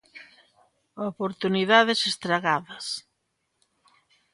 Oportunidades estragadas.